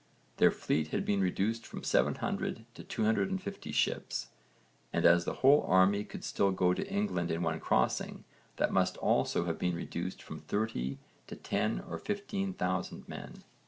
Their fleet had been reduced from 700 to 250 ships, and as the whole army could still go to England in one crossing, that must also have been reduced from thirty to ten or fifteen thousand men.